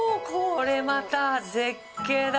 これまた絶景だ！